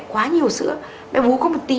quá nhiều sữa bé bú có một tí